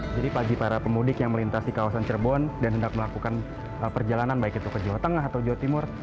jadi pagi para pemudik yang melintasi kawasan cerbon dan hendak melakukan perjalanan baik itu ke jawa tengah atau jawa timur